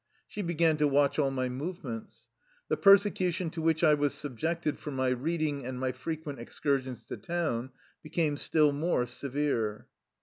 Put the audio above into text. She be gan to watch all my movements. The persecu tion to which I was subjected for my reading and my frequent excursions to town became still more severe.